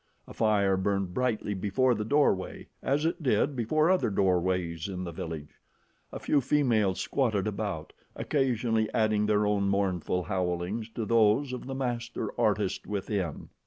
A fire burned brightly before the doorway as it did before other doorways in the village. A few females squatted about, occasionally adding their own mournful howlings to those of the master artist within.